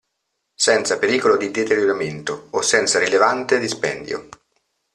Senza pericolo di deterioramento o senza rilevante dispendio.